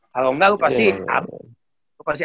kalau enggak gue pasti